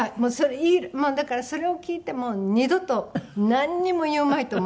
もうだからそれを聞いて二度となんにも言うまいと思いましたけど。